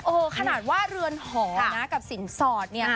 โลยะว่ารืณห๋อกับสินสอดเนี่ย